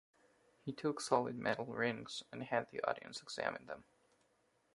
He took solid metal rings and had the audience examine them.